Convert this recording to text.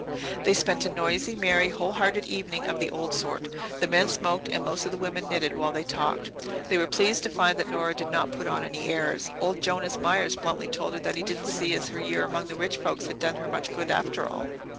They spent a noisy, merry, whole hearted evening of the old sort. The men smoked and most of the women knitted while they talked. They were pleased to find that Nora did not put on any airs. Old Jonas Myers bluntly told her that he didn't see as her year among rich folks had done her much good, after all.